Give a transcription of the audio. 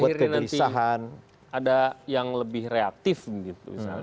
akhirnya nanti ada yang lebih reaktif gitu misalnya